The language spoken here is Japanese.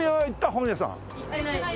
本屋さん。